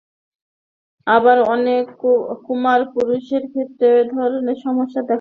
আবার অনেক কুমার পুরুষের ক্ষেত্রেও এ ধরনের সমস্যা দেখা দিতে পারে।